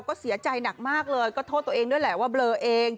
ก็เสียใจหนักมากเลยก็โทษตัวเองด้วยแหละว่าเบลอเอง